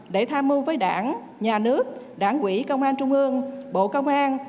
để tham mưu với đảng nhà nước đảng quỹ công an trung ương bộ công an